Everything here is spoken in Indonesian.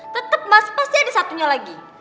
tetap mas pasti ada satunya lagi